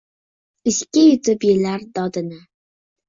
Ichga yutib yillar dodini